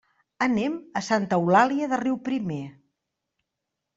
Anem a Santa Eulàlia de Riuprimer.